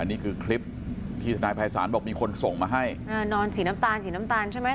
นี่คือคลิปที่ทนายภัยศาลบอกมีคนส่งมาให้อ่านอนสีน้ำตาลสีน้ำตาลใช่ไหม